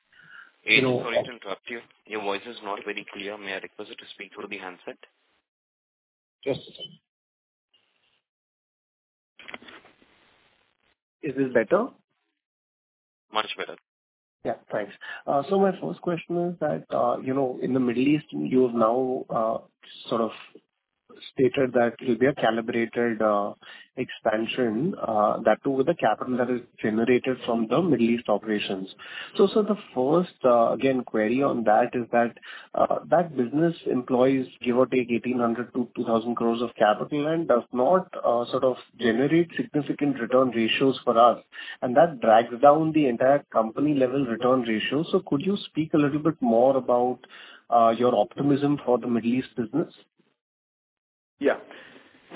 AJ, sorry to interrupt you. Your voice is not very clear. May I request you to speak through the handset? Yes, sir. Is this better? Much better. Yeah, thanks. My first question is that, you know, in the Middle East, you've now sort of stated that it will be a calibrated expansion, that too with the capital that is generated from the Middle East operations. The first, again, query on that is that business employs, give or take 1,800-2,000 crore of capital and does not sort of generate significant return ratios for us, and that drags down the entire company-level return ratio. Could you speak a little bit more about your optimism for the Middle East business? Yeah.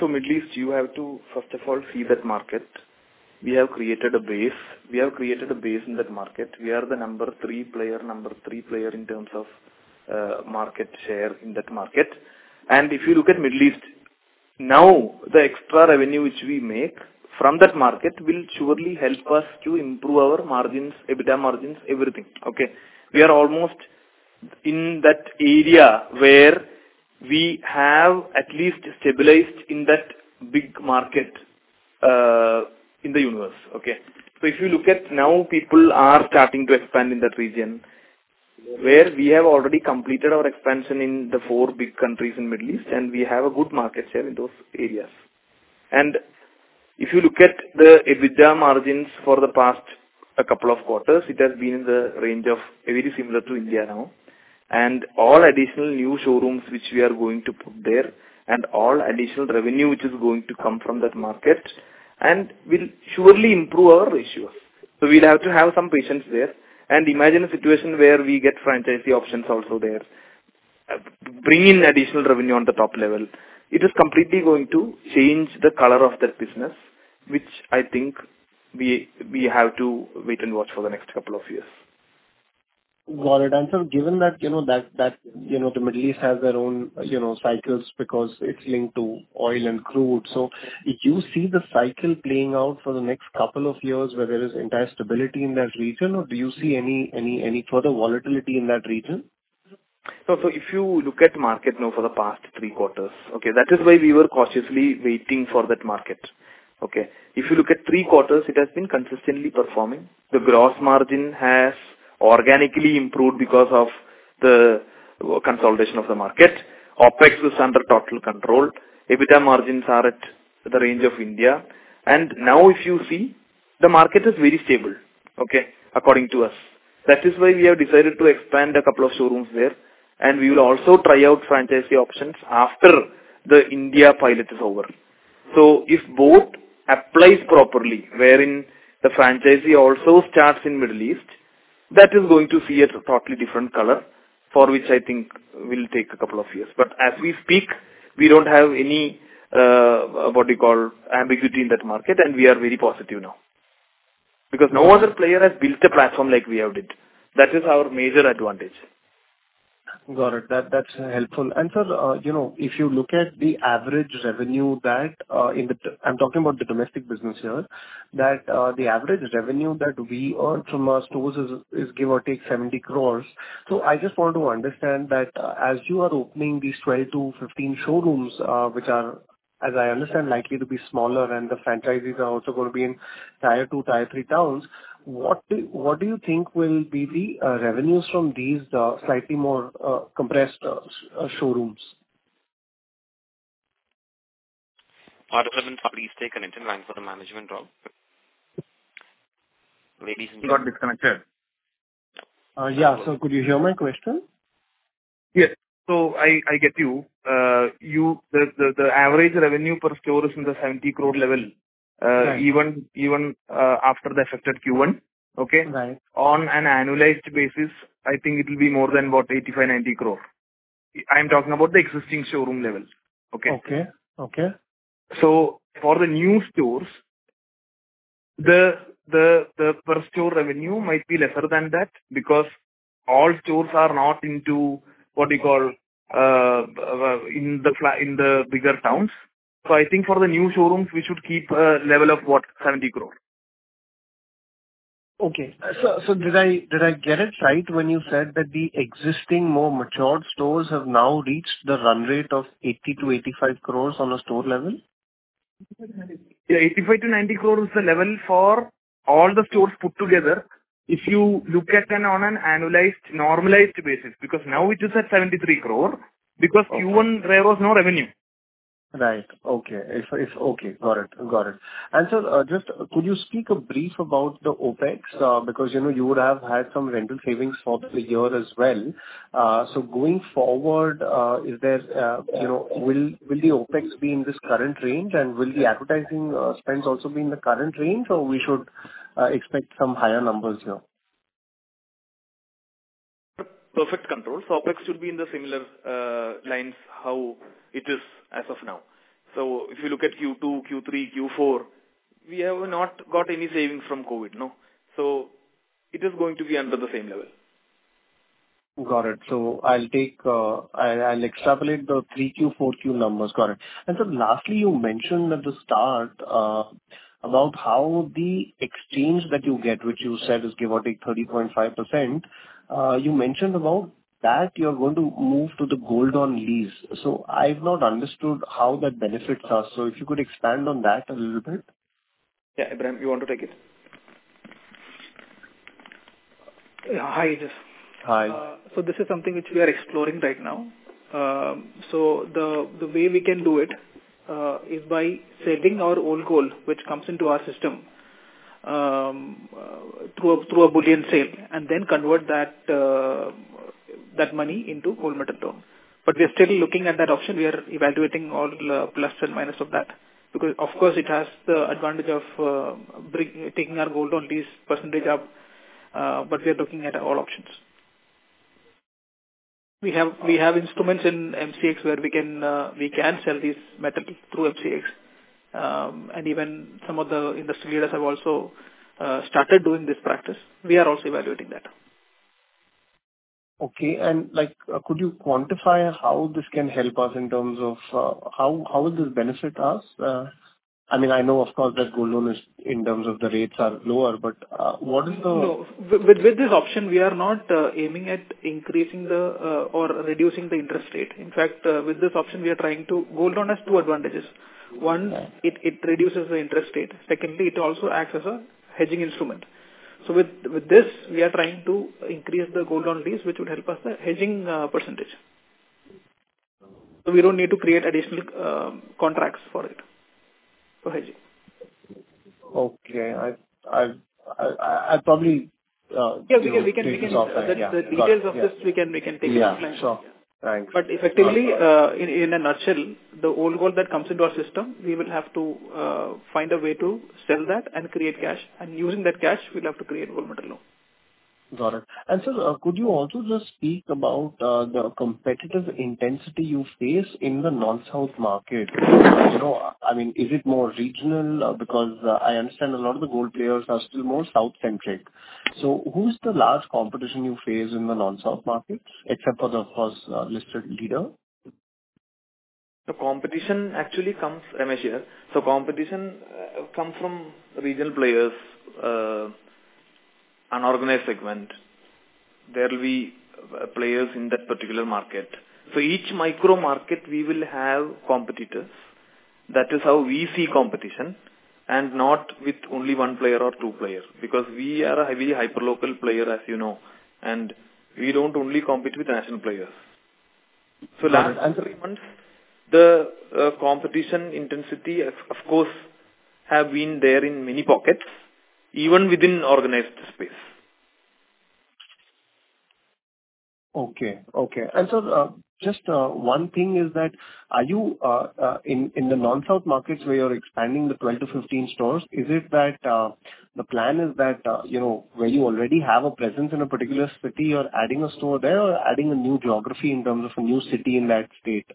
Middle East, you have to, first of all, see that market. We have created a base in that market. We are the number 3 player in terms of market share in that market. If you look at Middle East, now the extra revenue which we make from that market will surely help us to improve our margins, EBITDA margins, everything. Okay? We are almost in that area where we have at least stabilized in that big market in the universe. Okay? If you look at now, people are starting to expand in that region, where we have already completed our expansion in the four big countries in Middle East, and we have a good market share in those areas. If you look at the EBITDA margins for the past couple of quarters, it has been in the range of very similar to India now. All additional new showrooms which we are going to put there and all additional revenue which is going to come from that market will surely improve our ratios. We'll have to have some patience there. Imagine a situation where we get franchisee options also there, bringing additional revenue on the top level. It is completely going to change the color of that business, which I think we have to wait and watch for the next couple of years. Got it. Sir, given that, you know, that, you know, the Middle East has their own, you know, cycles because it's linked to oil and crude. If you see the cycle playing out for the next couple of years, where there is entire stability in that region, or do you see any further volatility in that region? If you look at the market now for the past three quarters, okay, that is why we were cautiously waiting for that market. Okay. If you look at three quarters, it has been consistently performing. The gross margin has organically improved because of the consolidation of the market. OpEx is under total control. EBITDA margins are at the range of India. Now if you see, the market is very stable, okay, according to us. That is why we have decided to expand a couple of showrooms there. We will also try out franchisee options after the India pilot is over. If both applies properly, wherein the franchisee also starts in Middle East, that is going to see a totally different color, for which I think will take a couple of years. As we speak, we don't have any, what do you call, ambiguity in that market, and we are very positive now. Because no other player has built a platform like we have did. That is our major advantage. Got it. That's helpful. Sir, you know, if you look at the average revenue that in the... I'm talking about the domestic business here, the average revenue that we earn from our stores is give or take 70 crore. I just want to understand that, as you are opening these 12-15 showrooms, which are, as I understand, likely to be smaller and the franchisees are also gonna be in tier 2, tier three towns, what do you think will be the revenues from these slightly more compressed showrooms? Participants, please stay connected in line for the management call. Ladies and You got disconnected. Yeah. Could you hear my question? Yes. I get you. The average revenue per store is in the 70 crore level. Right. Even after the affected Q1. Okay? Right. On an annualized basis, I think it will be more than, what, 85-90 crore. I'm talking about the existing showroom levels. Okay? Okay. For the new stores. The per store revenue might be lesser than that because all stores are not into what you call in the bigger towns. So I think for the new showrooms, we should keep a level of what? 70 crore. Okay. Did I get it right when you said that the existing more matured stores have now reached the run rate of 80-85 crores on a store level? Yeah, 85 crore-90 crore is the level for all the stores put together. If you look at an annualized, normalized basis, because now it is at 73 crore because Q1 there was no revenue. Sir, just could you speak a brief about the OpEx? Because, you know, you would have had some rental savings for the year as well. So going forward, you know, will the OpEx be in this current range and will the advertising spends also be in the current range, or we should expect some higher numbers here? Perfect control. OpEx should be in the similar lines how it is as of now. If you look at Q2, Q3, Q4, we have not got any savings from COVID, no? It is going to be under the same level. Got it. I'll extrapolate the 3Q, 4Q numbers. Got it. Sir, lastly, you mentioned at the start about how the exchange that you get, which you said is give or take 30.5%, you mentioned about that you're going to move to the gold lease. I've not understood how that benefits us, if you could expand on that a little bit. Yeah. Abraham, you want to take it? Hi. Hi. This is something which we are exploring right now. The way we can do it is by saving our old gold, which comes into our system, through a bullion sale and then convert that money into gold metal loan. We are still looking at that option. We are evaluating all the plus and minus of that because of course it has the advantage of taking our gold on lease percentage up, but we are looking at all options. We have instruments in MCX where we can sell these metal through MCX. Even some of the industry leaders have also started doing this practice. We are also evaluating that. Okay. Could you quantify how this can help us in terms of how will this benefit us? I mean, I know of course that gold loan is in terms of the rates are lower, but what is the No. With this option, we are not aiming at increasing or reducing the interest rate. In fact, with this option we are trying to. Gold loan has two advantages. One. Mm-hmm. It reduces the interest rate. Secondly, it also acts as a hedging instrument. With this we are trying to increase the gold on lease, which would help us with the hedging percentage. We don't need to create additional contracts for it for hedging. Okay. I probably Yeah. The details of this, we can take it offline. Yeah, sure. Thanks. Effectively, in a nutshell, the old gold that comes into our system, we will have to find a way to sell that and create cash. Using that cash, we'll have to create gold metal loan. Got it. Sir, could you also just speak about the competitive intensity you face in the non-South market? You know, I mean, is it more regional? I understand a lot of the gold players are still more South-centric. Who's the main competition you face in the non-South market, except for the first listed leader? The competition actually comes, Ramesh Kalyanaraman here. Competition comes from regional players, unorganized segment. There'll be players in that particular market. Each micro market we will have competitors. That is how we see competition and not with only one player or two players, because we are a very hyperlocal player, as you know, and we don't only compete with national players. Last three months, the competition intensity, of course, have been there in many pockets, even within organized space. Okay. Just one thing is that are you in the non-south markets where you're expanding the 12-15 stores, is it that the plan is that you know where you already have a presence in a particular city, you're adding a store there or adding a new geography in terms of a new city in that state?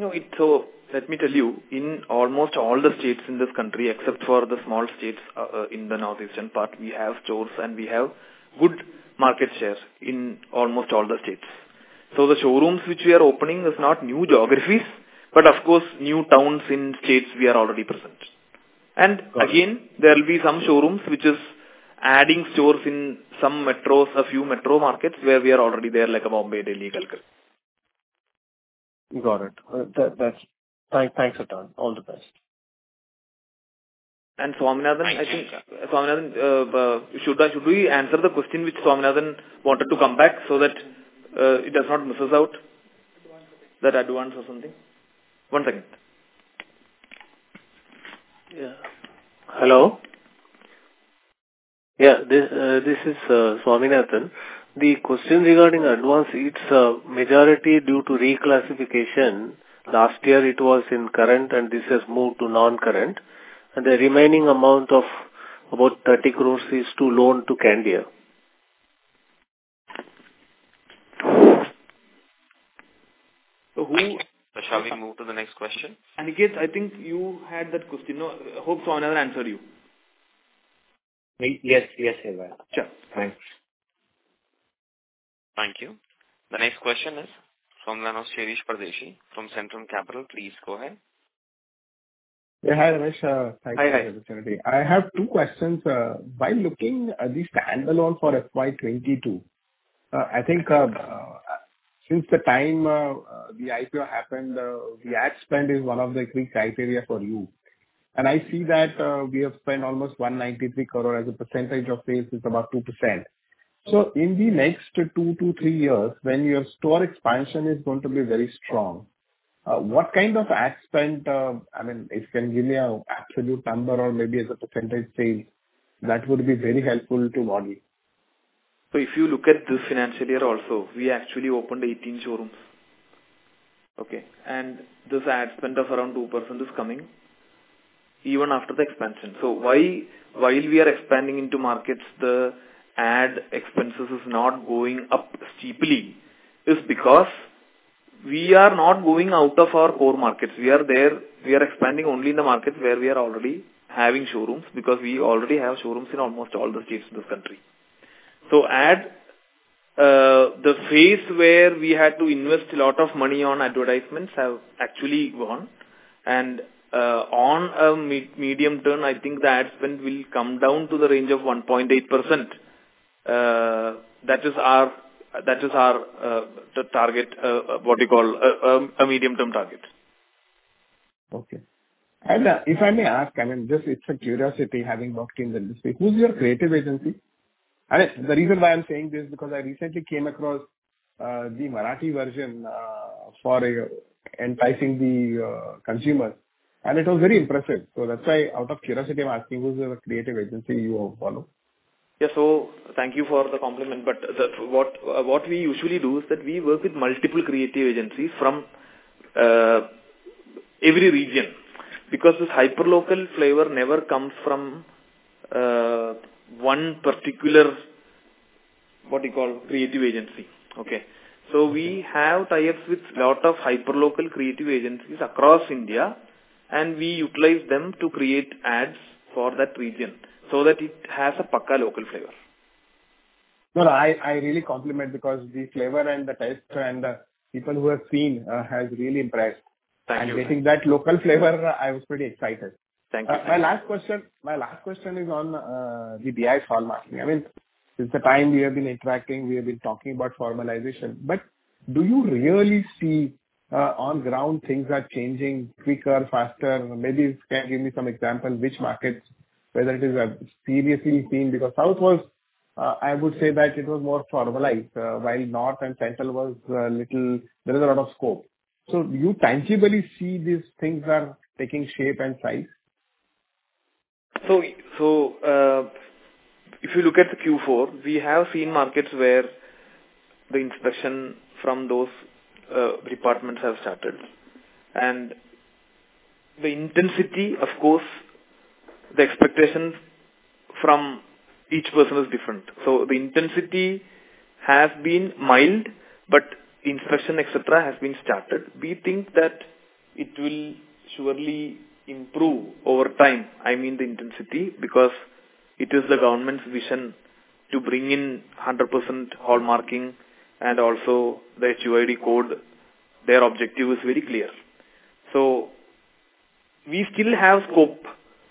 No. Let me tell you, in almost all the states in this country, except for the small states in the northeastern part, we have stores and we have good market share in almost all the states. The showrooms which we are opening is not new geographies, but of course new towns in states we are already present. Got it. Again, there will be some showrooms which is adding stores in some metros, a few metro markets where we are already there, like in Mumbai, Delhi, Kolkata. Got it. Thanks, Ratan. All the best. V. Swaminathan, I think, should we answer the question which V. Swaminathan wanted to come back so that it does not misses out? Advance. That advance or something. One second. Hello. This is V. Swaminathan. The question regarding advance, it's majority due to reclassification. Last year it was in current, and this has moved to non-current. The remaining amount of about 30 crores is a loan to Candere. Shall we move to the next question? Aniket, I think you had that question. No, hope so I never answer you. Yes. Yes, Ramesh. Sure. Thanks. Thank you. The next question is from the line of Shirish Pardeshi from Centrum Capital. Please go ahead. Yeah. Hi, Ramesh. Hi. Thank you for the opportunity. I have two questions. While looking at the standalone for FY 2022, I think, since the time the IPO happened, the ad spend is one of the key criteria for you. I see that we have spent almost 193 crore. As a percentage of sales, it's about 2%. In the next 2-3 years when your store expansion is going to be very strong, what kind of ad spend? I mean, if you can give me an absolute number or maybe as a percentage of sales, that would be very helpful to model. If you look at this financial year also, we actually opened 18 showrooms. Okay? This ad spend of around 2% is coming even after the expansion. Why while we are expanding into markets, the ad expenses is not going up steeply is because we are not going out of our core markets. We are there. We are expanding only in the markets where we are already having showrooms because we already have showrooms in almost all the states in this country. The ad phase where we had to invest a lot of money on advertisements have actually gone. On a medium-term, I think the ad spend will come down to the range of 1.8%. That is our target, what you call, a medium-term target. Okay. If I may ask, I mean, just it's a curiosity having worked in the industry. Who's your creative agency? The reason why I'm saying this because I recently came across the Marathi version for enticing the consumer, and it was very impressive. That's why, out of curiosity, I'm asking who's your creative agency you follow? Yeah. Thank you for the compliment. What we usually do is that we work with multiple creative agencies from every region because this hyperlocal flavor never comes from one particular, what you call, creative agency. Okay? We have tie-ups with lot of hyperlocal creative agencies across India, and we utilize them to create ads for that region so that it has a Pakka local flavor. No, I really compliment because the flavor and the taste and people who have seen has really impressed. Thank you. Getting that local flavor, I was pretty excited. Thank you. My last question is on the BIS hallmarking. I mean, since the time we have been interacting, we have been talking about formalization. Do you really see on ground things are changing quicker, faster? Maybe you can give me some example which markets, whether it is seriously seen because South was, I would say that it was more formalized, while North and Central was, little there is a lot of scope. Do you tangibly see these things are taking shape and size? If you look at the Q4, we have seen markets where the inspection from those departments have started. The intensity, of course, the expectations from each person is different. The intensity has been mild, but inspection, etcetera, has been started. We think that it will surely improve over time, I mean, the intensity, because it is the government's vision to bring in 100% hallmarking and also the HUID code. Their objective is very clear. We still have scope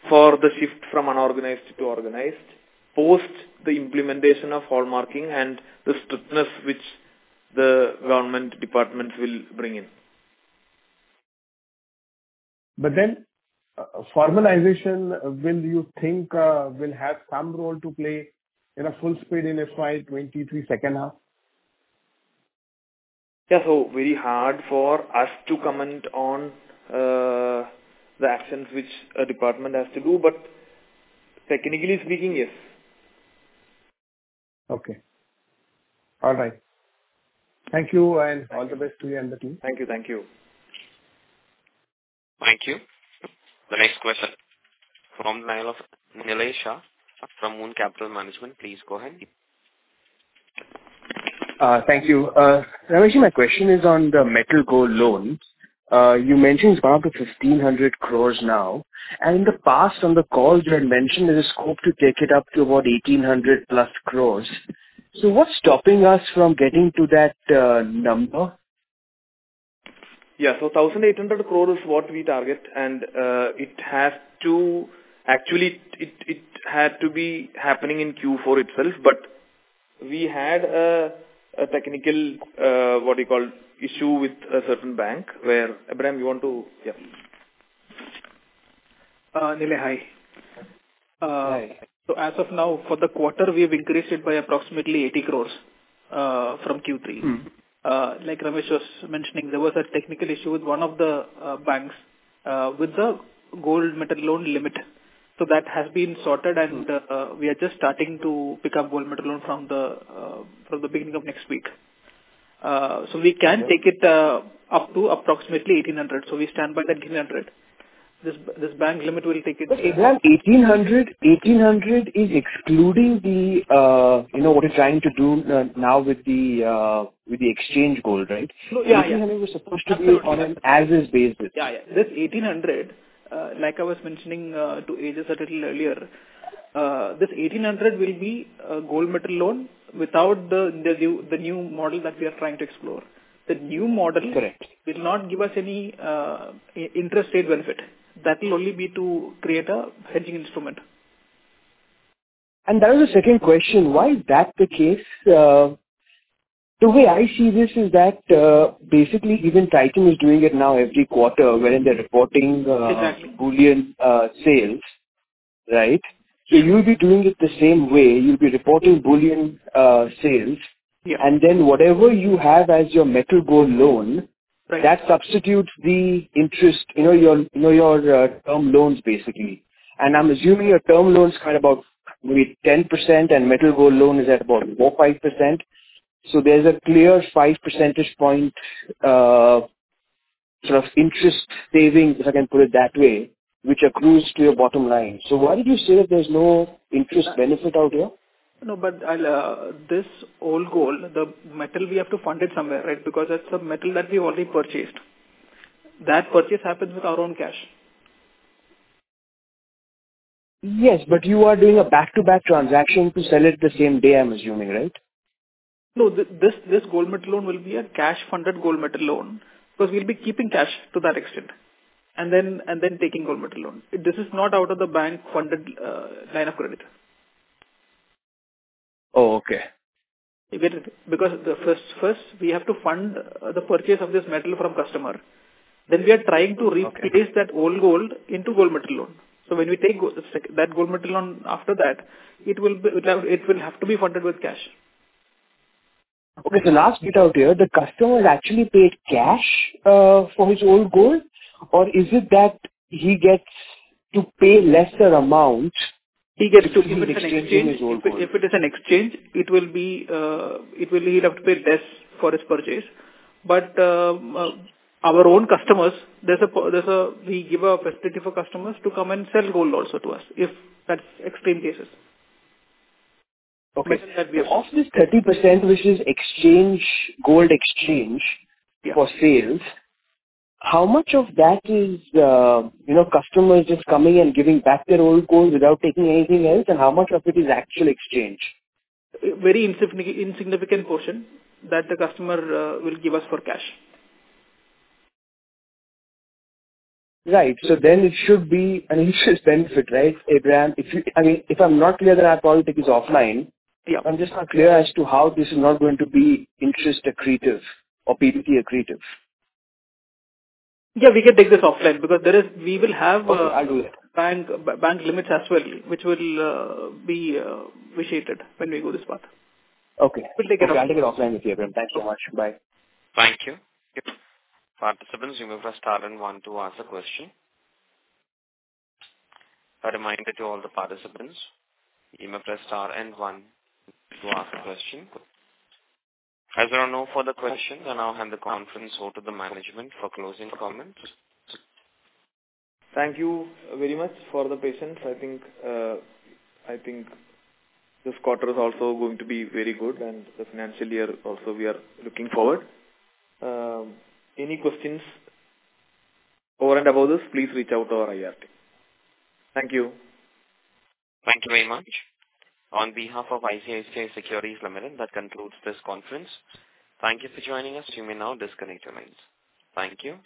for the shift from unorganized to organized, post the implementation of hallmarking and the strictness which the government departments will bring in. Formalization, when do you think will have some role to play in full speed in FY 23 second half? Yeah. Very hard for us to comment on the actions which a department has to do. Technically speaking, yes. Okay. All right. Thank you, and all the best to you and the team. Thank you. Thank you. Thank you. The next question from the line of Nillai Shah from Moon Capital Management. Please go ahead. Thank you. Ramesh, my question is on the metal gold loans. You mentioned it's gone to 1,500 crores now. In the past on the calls you had mentioned there's a scope to take it up to about 1,800+ crores. What's stopping us from getting to that number? Yeah. 1,800 crore is what we target. Actually, it had to be happening in Q4 itself, but we had a technical issue with a certain bank where Abraham, you want to? Yeah. Nillai, hi. Hi. As of now for the quarter we have increased it by approximately 80 crore from Q3. Mm-hmm. Like Ramesh was mentioning, there was a technical issue with one of the banks with the gold metal loan limit. That has been sorted and we are just starting to pick up gold metal loan from the beginning of next week. We can take it up to approximately 1,800. We stand by the 1,800. This bank limit will take it. Abraham, 1,800 is excluding the, you know, what you're trying to do now with the exchange gold, right? No, yeah. 1800 was supposed to be on an as is basis. Yeah, yeah. This 1,800, like I was mentioning to AJ a little earlier, this 1,800 will be a gold metal loan without the new model that we are trying to explore. The new model. Correct. Will not give us any interest rate benefit. That will only be to create a hedging instrument. That was the second question. Why is that the case? The way I see this is that, basically even Titan is doing it now every quarter wherein they're reporting- Exactly. Bullion sales, right? You'll be doing it the same way. You'll be reporting bullion sales. Yeah. whatever you have as your metal gold loan. Right. That substitutes the interest, you know, your term loans, basically. I'm assuming your term loan is kind of about maybe 10% and metal gold loan is at about 4-5%. There's a clear five percentage point sort of interest saving, if I can put it that way, which accrues to your bottom line. Why did you say that there's no interest benefit out here? No, but this old gold, the metal we have to fund it somewhere, right? Because that's the metal that we've already purchased. That purchase happens with our own cash. Yes, you are doing a back-to-back transaction to sell it the same day, I'm assuming, right? No. This gold metal loan will be a cash-funded gold metal loan because we'll be keeping cash to that extent, and then taking gold metal loan. This is not out of the bank-funded line of credit. Oh, okay. Because the first we have to fund the purchase of this metal from customer. We are trying to replace that old gold into gold metal loan. When we take that gold metal loan after that, it will have to be funded with cash. Last bit out here, the customer has actually paid cash for his old gold? Or is it that he gets to pay lesser amount? He gets to- to exchange his old gold. If it is an exchange, he'll have to pay less for his purchase. Our own customers, we give a premium for customers to come and sell gold also to us in those extreme cases. Okay. Of this 30% which is exchange, gold exchange. Yeah. for sales, how much of that is, you know, customer just coming and giving back their old gold without taking anything else, and how much of it is actual exchange? Very insignificant portion that the customer will give us for cash. Right. It should be an interest benefit, right, Abraham? If you, I mean, if I'm not clear, then I'll probably take this offline. Yeah. I'm just not clear as to how this is not going to be interest accretive or PBT accretive. Yeah, we can take this offline because we will have. Okay, I'll do that. Bank limits as well, which will be vitiated when we go this path. Okay. We'll take it offline. Okay, I'll take it offline with you, Abraham. Thanks so much. Bye. Thank you. Participants, you may press star and one to ask a question. A reminder to all the participants, you may press star and one to ask a question. As there are no further questions, I'll now hand the conference over to the management for closing comments. Thank you very much for the patience. I think this quarter is also going to be very good and the financial year also we are looking forward. Any questions over and above this, please reach out to our IR team. Thank you. Thank you very much. On behalf of ICICI Securities Limited, that concludes this conference. Thank you for joining us. You may now disconnect your lines. Thank you.